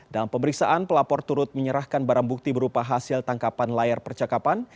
dalam pemeriksaan pelapor turut menyerahkan barang bukti berupa hasil tangkapan layar percakapan